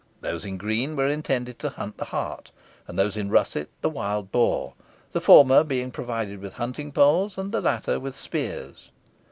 Those in green were intended to hunt the hart, and those in russet the wild boar, the former being provided with hunting poles, and the latter with spears.